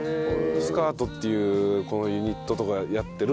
スカートっていうユニットとかやってる。